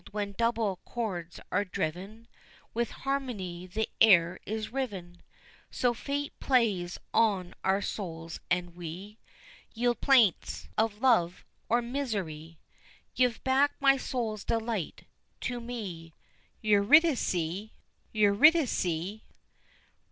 when double chords are driven, With harmony the air is riven; So Fate plays on our souls, and we Yield plaints of love or misery; Give back my soul's delight to me Eurydice! Eurydice!